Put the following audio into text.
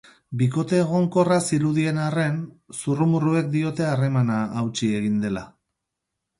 Bikote egonkorra zirudien arren, zurrumurruek diote harremana hautsi egin dela.